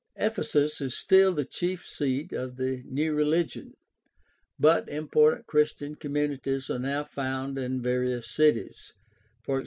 Ephesus is still the chief seat of the new religion, but important Christian communities are now found in various cities (e.g.